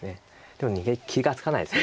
でも逃げ気が付かないですよね。